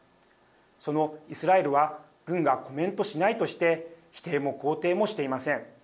そのイスラエルは軍がコメントしないとして否定も肯定もしていません。